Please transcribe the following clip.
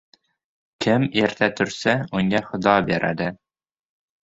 • Kim erta tursa, unga Xudo beradi.